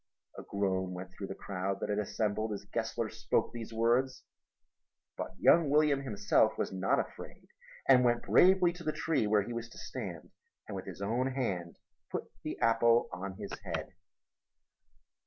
A groan went through the crowd that had assembled as Gessler spoke these words. But young William himself was not afraid and went bravely to the tree where he was to stand and with his own hand put the apple on his head.